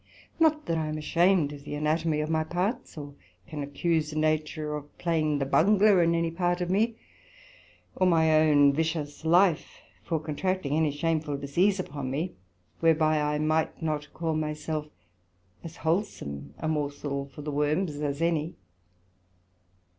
Not that I am ashamed of the Anatomy of my parts, or can accuse Nature for playing the bungler in any part of me, or my own vitious life for contracting any shameful disease upon me, whereby I might not call my self as wholesome a morsel for the worms as any.